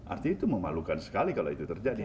artinya itu memalukan sekali kalau itu terjadi